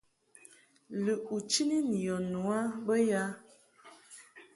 Lɨʼ u chini ni yɔ nu a bə ya ?